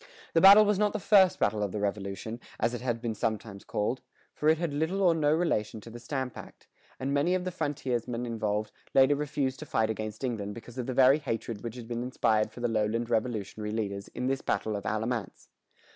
The battle was not the first battle of the Revolution, as it has been sometimes called, for it had little or no relation to the stamp act; and many of the frontiersmen involved, later refused to fight against England because of the very hatred which had been inspired for the lowland Revolutionary leaders in this battle of the Alamance.